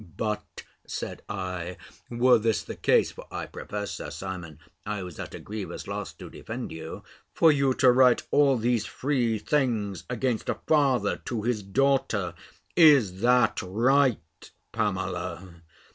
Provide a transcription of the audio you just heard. "But," said I, "were this the case" (for I profess, Sir Simon, I was at a grievous loss to defend you), "for you to write all these free things against a father to his daughter, is that right, Pamela?"